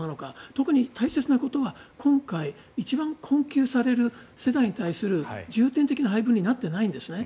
特に大切なのは今回、一番困窮される世代に対する重点的な配分になってないんですね。